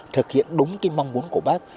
thực hiện đúng cái mong muốn của bác